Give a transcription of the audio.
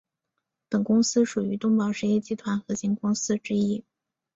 本公司属于东宝实业集团核心公司之一。